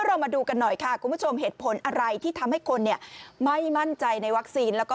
เรามาดูกันหน่อยค่ะคุณผู้ชมเหตุผลอะไรที่ทำให้คนเนี่ยไม่มั่นใจในวัคซีนแล้วก็